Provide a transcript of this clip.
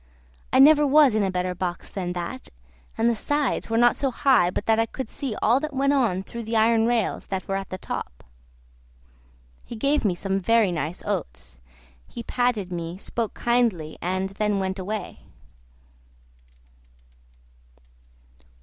I never was in a better box than that, and the sides were not so high but that I could see all that went on through the iron rails that were at the top. He gave me some very nice oats, he patted me, spoke kindly, and then went away.